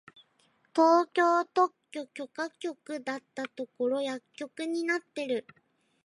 東京特許許可局だったところ薬局になってる！